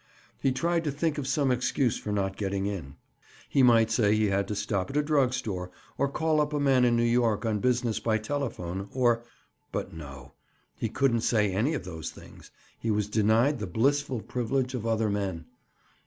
He tried to think of some excuse for not getting in. He might say he had to stop at a drug store, or call up a man in New York on business by telephone, or— But no! he couldn't say any of those things. He was denied the blissful privilege of other men.